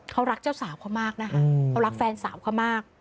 เขารักเจ้าสาวเขามากนะคะเขารักแฟนสาวเขามาก